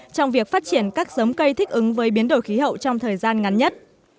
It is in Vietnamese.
trong việc phát triển các giống cây thích ứng với biến đổi khí hậu trong thời gian ngắn nhất